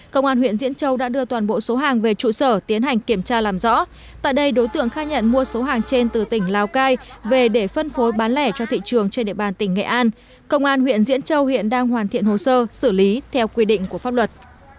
công an huyện diễn châu đã đưa toàn bộ số hàng về trụ sở tiến hành kiểm tra làm rõ tại đây đối tượng khai nhận mua số hàng trên từ tỉnh lào cai về để phân phối bán lẻ cho thị trường trên địa bàn tỉnh nghệ an công an huyện diễn châu hiện đang hoàn thiện hồ sơ xử lý theo quy định của pháp luật